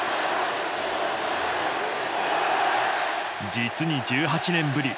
実に１８年ぶり。